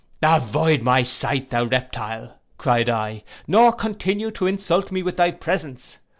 —'Avoid my sight, thou reptile,' cried I, 'nor continue to insult me with thy presence.